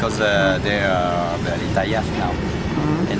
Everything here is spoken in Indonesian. karena mereka sangat tajam sekarang